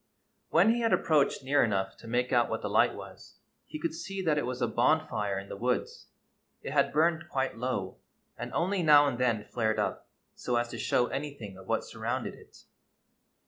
When he had approached near enough to make out what the light was, he could see that it was a bonfire in the woods. It had burned quite low, and only now and then flared up so as to show anything of what surrounded it.